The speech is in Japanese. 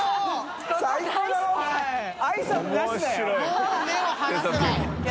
もう目を離せない。